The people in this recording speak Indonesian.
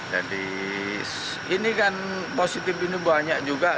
jadi ini kan positif ini banyak juga